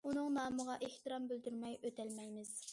ئۇنىڭ نامىغا ئېھتىرام بىلدۈرمەي ئۆتەلمەيمىز.